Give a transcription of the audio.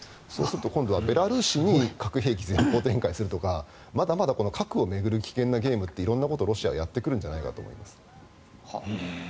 そうすると今度はベラルーシに核兵器を前方展開するとかまだまだ核を巡る危険なゲームってロシアはやってくるんじゃないかと思います。